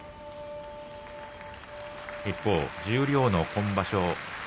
一方、十両の今場所